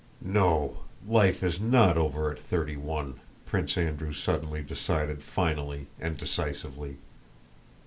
"No, life is not over at thirty one!" Prince Andrew suddenly decided finally and decisively.